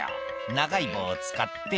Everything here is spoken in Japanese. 「長い棒を使って」